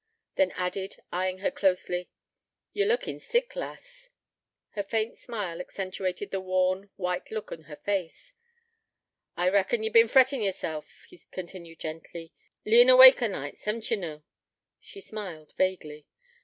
Then added, eyeing her closely: 'Ye're lookin' sick, lass.' Her faint smile accentuated the worn, white look on her face. 'I reckon ye've been frettin' yeself,' he continued gently, 'leein' awake o' nights, hev'n't yee, noo?' She smiled vaguely.